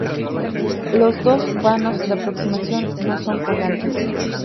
Los dos vanos de aproximación no son colgantes.